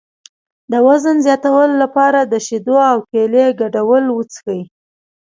د وزن زیاتولو لپاره د شیدو او کیلې ګډول وڅښئ